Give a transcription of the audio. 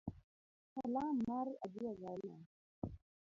Kalam mar ajuoga olal